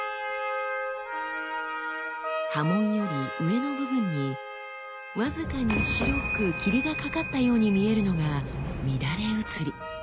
刃文より上の部分に僅かに白く霧がかかったように見えるのが「乱れ映り」。